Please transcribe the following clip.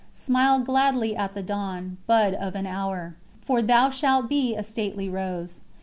Smile gladly at the dawn, Bud of an hour! for thou Shalt be a stately rose."